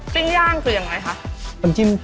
พิ่งย่างคืออย่างไรคะ